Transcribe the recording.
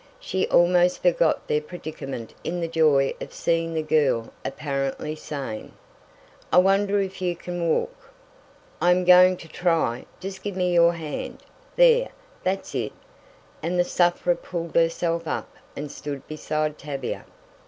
She almost forgot their predicament in the joy of seeing the girl apparently sane. "I wonder if you can walk?" "I am going to try. Just give me your hand there, that's it," and the sufferer pulled herself up and stood beside Tavia.